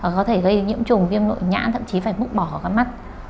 có thể gây nhiễm trùng viêm nội nhãn thậm chí phải bụng bỏ ở các mắt